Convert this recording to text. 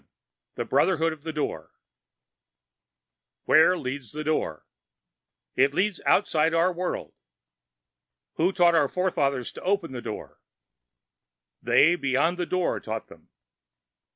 The Brotherhood of the Door_ "Where leads the Door?" "It leads outside our world." "Who taught our forefathers to open the Door?" "_They Beyond the Door taught them.